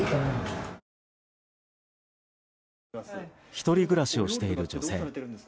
１人暮らしをしている女性。